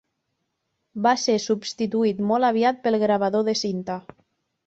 Va ser substituït molt aviat pel gravador de cinta.